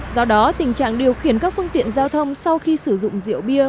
do đó tình trạng điều khiển các phương tiện giao thông sau khi sử dụng rượu bia